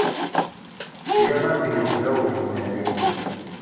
Seg-a ara yebdu ugennari-nni.